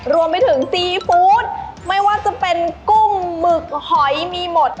รวมไปถึงซีฟู้ดไม่ว่าจะเป็นกุ้งหมึกหอยมีหมด